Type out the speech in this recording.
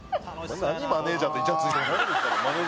何マネジャーといちゃついてんねん。